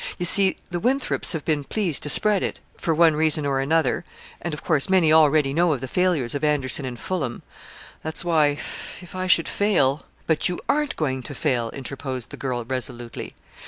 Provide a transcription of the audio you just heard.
You see, the Winthrops have been pleased to spread it, for one reason or another, and of course many already know of the failures of Anderson and Fullam. That's why, if I should fail " "But you aren't going to fail," interposed the girl, resolutely.